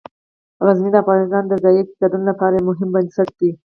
غزني د افغانستان د ځایي اقتصادونو لپاره یو مهم بنسټ دی.